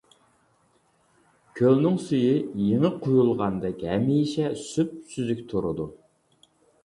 كۆلنىڭ سۈيى يېڭى قۇيۇلغاندەك ھەمىشە سۈپسۈزۈك تۇرىدۇ.